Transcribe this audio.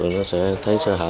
nó sẽ thấy sơ hở